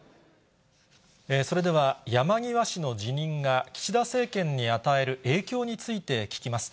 それでは山際氏の辞任が岸田政権に与える影響について聞きます。